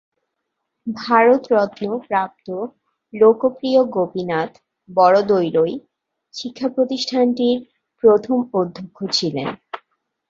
ভারত রত্ন প্রাপ্ত লোকপ্রিয় গোপীনাথ বরদলৈ শিক্ষা প্রতিষ্ঠানটির প্রথম অধ্যক্ষ ছিলেন।